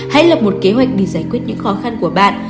hãy lập một kế hoạch để giải quyết những khó khăn của bạn